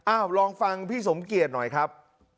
ลองฟังพี่สมเกียจหน่อยครับ